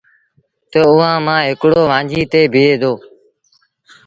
تا اُئآݩ مآݩ هڪڙو وآنجھي تي بيٚهي دو۔